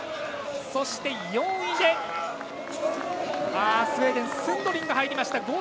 そして４位でスウェーデンのスンドリンが入りました。